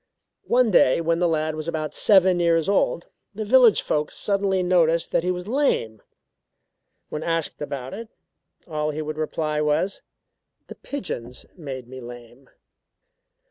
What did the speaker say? One day when the lad was about seven years old, the village folks suddenly noticed that he was lame. When asked about it, all he would reply was: "The pigeons made me lame."